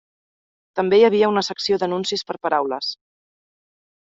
També hi havia una secció d'anuncis per paraules.